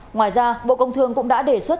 ngoài ra bộ công thương cũng đã đề xuất